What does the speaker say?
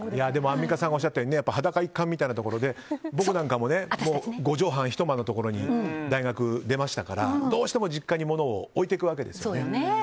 アンミカさんがおっしゃったように裸一貫みたいなところで僕なんかも５畳半１間のところに大学、出ましたからどうしても実家に置いていくわけです。